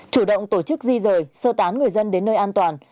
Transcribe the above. chủ động tổ chức di rời sơ tán người dân đến nơi an toàn